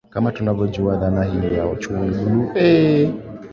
Kama tunavyojua dhana hii ya uchumi bluu ni ngeni kwetu